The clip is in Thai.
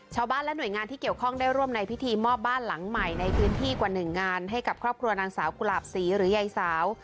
ชาวบ้านและหน่วยงานที่เกี่ยวข้องได้ร่วมในพิธีมอบบ้านหลังใหม่ในพื้นที่กว่าหนึ่งงานให้กับครอบครัวนางสาวกุหลาบศรีหรือยายสาว